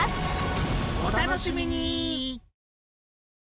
お楽しみに！